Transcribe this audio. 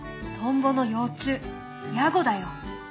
トンボの幼虫ヤゴだよ。